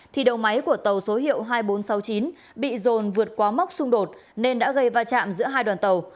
thì đầu máy của tàu số hiệu hai nghìn bốn trăm sáu mươi chín bị rồn vượt quá mốc xung đột nên đã gây va chạm giữa hai đoàn tàu